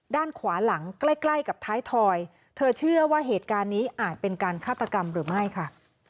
ด้านขวาหลังใกล้ใกล้กับท้ายถอยเธอเชื่อว่าเหตุการณ์นี้อาจเป็นการฆาตกรรมหรือไม่ค่ะ